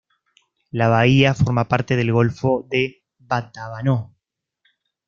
La bahía forma parte del golfo de Batabanó.